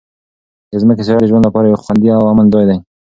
د ځمکې سیاره د ژوند لپاره یو خوندي او امن ځای دی.